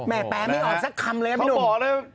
แม่แปลก้อยไม่ออกสักคำเลย